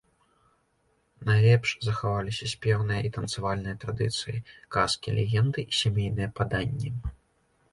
Найлепш захаваліся спеўныя і танцавальныя традыцыі, казкі, легенды і сямейныя паданні.